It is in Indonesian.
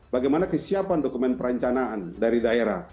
bagaimana kesiapan dokumen perencanaan dari daerah